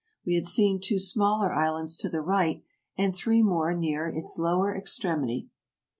We had seen two smaller islands to the right and three more near its lower extremity.